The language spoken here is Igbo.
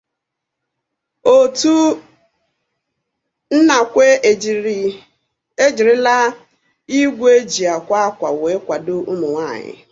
Òtù Nnakwe Ejirila Ígwè E Ji Akwa Akwà Wee Kwàdo Ụmụnwaanyị